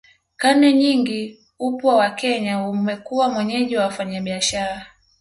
Karne nyingi upwa wa Kenya umekuwa mwenyeji wa wafanyabiashara